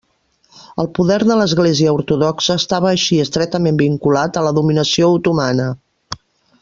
El poder de l'Església Ortodoxa estava així estretament vinculat a la dominació otomana.